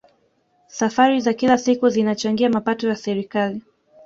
safari za kila siku zinachangia mapato ya serikali